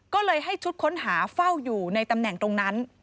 ก็เลยให้ชุดค้นหาเฝ้าอยู่ในตำแหน่งตรงนั้น